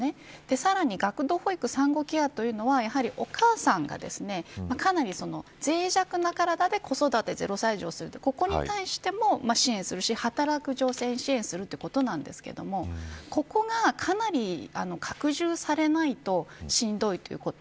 さらに、学童保育産後ケアというのはお母さんがかなり脆弱な体で子育て０歳児をするということに対しても支援するし働く女性も支援するということなんですがここがかなり拡充されないとしんどいということ。